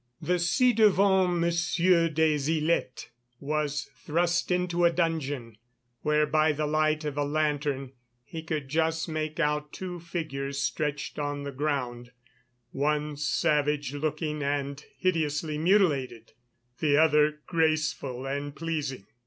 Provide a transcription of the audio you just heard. The ci devant Monsieur des Ilettes was thrust into a dungeon, where by the light of a lantern he could just make out two figures stretched on the ground, one savage looking and hideously mutilated, the other graceful and pleasing.